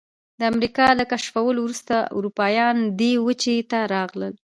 د امریکا له کشفولو وروسته اروپایان دې وچې ته راغلل.